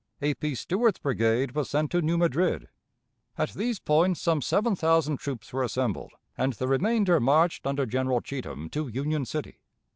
A. P. Stewart's brigade was sent to New Madrid. At these points some seven thousand troops were assembled, and the remainder marched under General Cheatham to Union City.